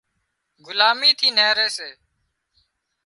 غلامي ٿِي نيهري سي